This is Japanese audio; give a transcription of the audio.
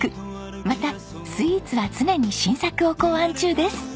またスイーツは常に新作を考案中です。